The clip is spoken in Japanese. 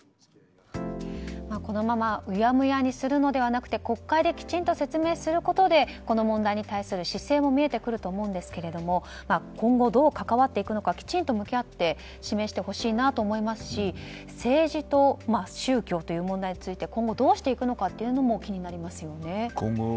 このままうやむやにするのではなくて国会できちんと説明することでこの問題に対する姿勢も見えますが今後、どう関わっていくのかきちんと向き合って示してほしいなと思いますし政治と宗教という問題を今後どうするのか気になりますね。